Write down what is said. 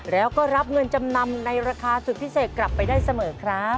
แล้วก็รับเงินจำนำในราคาสุดพิเศษกลับไปได้เสมอครับ